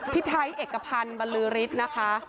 พี่ไทยเอกภัณฑ์บรรลือริสนะคะ